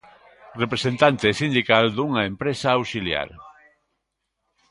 Representante sindical dunha empresa auxiliar.